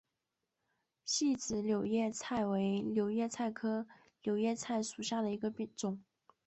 细籽柳叶菜为柳叶菜科柳叶菜属下的一个种。